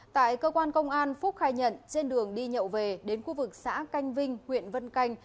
tại cơ quan công an phúc khai nhận trên đường đi nhậu về đến khu vực xã canh vinh huyện vân canh